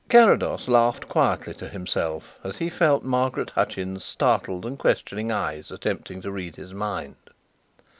Carrados laughed quietly to himself as he felt Margaret Hutchins's startled and questioning eyes attempting to read his mind.